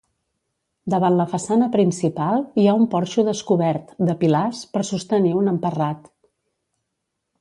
Davant la façana principal hi ha un porxo descobert, de pilars, per sostenir un emparrat.